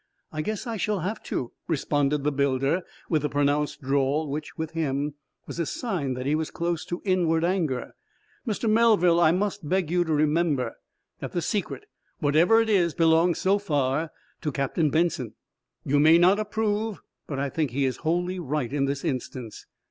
"I guess I shall have to," responded the builder, with the pronounced drawl which, with him, was a sign that he was close to inward anger. "Mr. Melville, I must beg you to remember that the secret, whatever it is, belongs, so far, to Captain Benson. You may not approve, but I think he is wholly right in this instance."